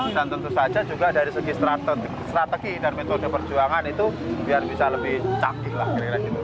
dan tentu saja juga dari segi strategi dan metode perjuangan itu biar bisa lebih capil lah kira kira gitu